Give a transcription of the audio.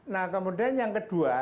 nah kemudian yang kedua